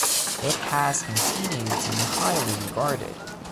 It has continued to be highly regarded.